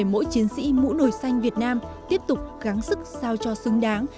mỗi chiến sĩ mũ nồi xanh việt nam tiếp tục gắn sức sao cho xứng đáng